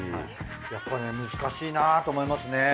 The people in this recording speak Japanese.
やっぱりね難しいなと思いますね。